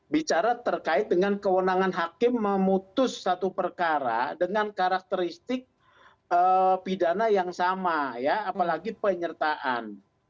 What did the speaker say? bicara terkait dengan kewenangan hakim memutus satu perkara dengan karakteristik pidana yang sama ya apalagi penyertaan